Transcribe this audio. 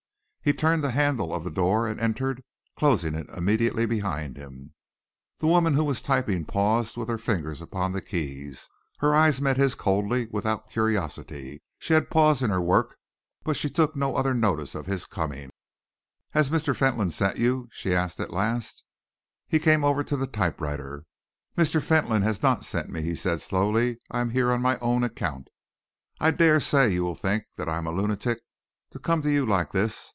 He turned the handle of the door and entered, closing it immediately behind him. The woman who was typing paused with her fingers upon the keys. Her eyes met his coldly, without curiosity. She had paused in her work, but she took no other notice of his coming. "Has Mr. Fentolin sent you here?" she asked at last. He came over to the typewriter. "Mr. Fentolin has not sent me," he said slowly. "I am here on my own account. I dare say you will think that I am a lunatic to come to you like this.